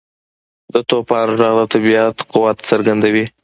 • د توپان ږغ د طبیعت قوت څرګندوي.